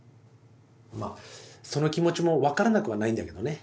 まっその気持ちも分からなくはないんだけどね。